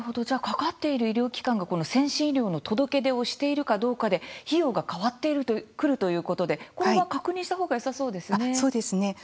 じゃあかかっている医療機関が先進医療の届け出をしているかどうかで費用が変わってくるということで、これは確認したほうがよさそうですね。